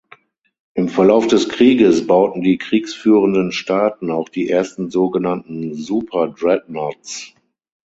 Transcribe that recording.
Im Verlauf des Krieges bauten die kriegführenden Staaten auch die ersten sogenannten "Super-Dreadnoughts".